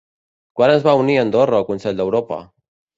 Quan es va unir Andorra al Consell d'Europa?